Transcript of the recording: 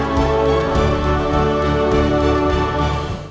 sampai jumpa lagi